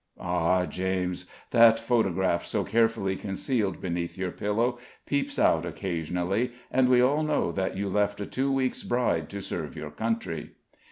Ah! James, that photograph so carefully concealed beneath your pillow, peeps out occasionally, and we all know that you left a two weeks' bride to serve your country.